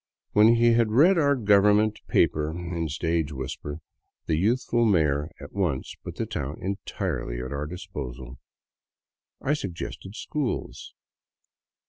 When he had read our government paper in a stage whisper, the youthful mayor at once put the town entirely at our disposal. I suggested schools.